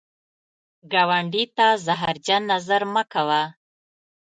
ګاونډي ته زهرجن نظر مه کوه